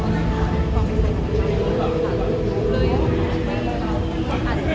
เพราะว่ามันอาจจะมีความเป็นสิ่งที่เราไม่รู้สึกเลย